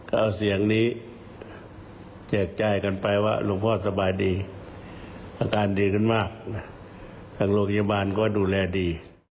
ก็เอาเสียงนี้แจกจ่ายกันไปว่าหลวงพ่อสบายดีอาการดีขึ้นมากนะทางโรงพยาบาลก็ดูแลดี